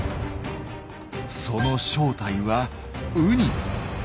その正体はウニ。